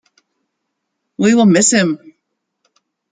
We will miss him!